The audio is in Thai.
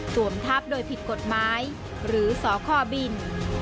สวมทัพโดยผิดกฎไม้หรือสอข้อบิน